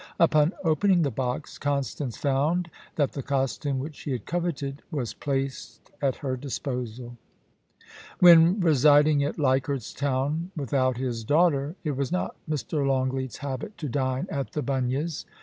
Upon opening the box, Constance found that the costume which she had coveted was placed at her disposal. ••••• When residing at Leichardt's Town without his daughter, it was not Mr. Longleat's habit to dine at The Bunyas.